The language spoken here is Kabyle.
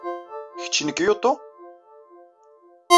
Kečč n Kyoto?